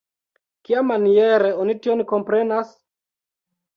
Kiamaniere oni tion komprenas?